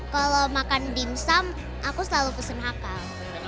kalau makan dimsum aku selalu pesen hakal